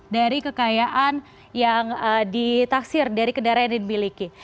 dari kekayaan yang ditaksir dari kendaraan yang dimiliki